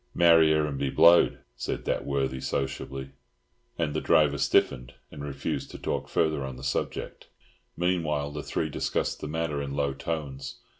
"Marry her, and be blowed," said that worthy, sociably; and the driver stiffened and refused to talk further on the subject. Meanwhile the three discussed the matter in low tones.